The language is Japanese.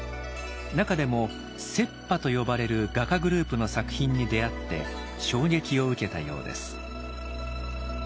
中でも「浙派」と呼ばれる画家グループの作品に出会って衝撃を受けたようです。